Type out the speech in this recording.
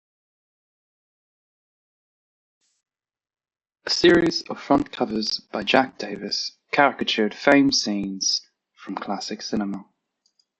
A series of front covers by Jack Davis caricatured famed scenes from classic cinema.